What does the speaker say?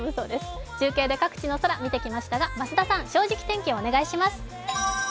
中継で各地の空を見てきましたが増田さん、「正直天気」お願いします。